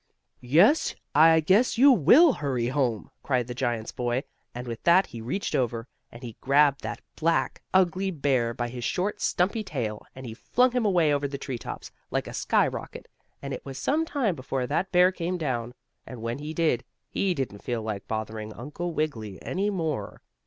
"Yes, I guess you will hurry home!" cried the giant's boy, and with that he reached over, and he grabbed that black, ugly bear by his short, stumpy tail and he flung him away over the tree tops, like a skyrocket, and it was some time before that bear came down. And when he did, he didn't feel like bothering Uncle Wiggily any more.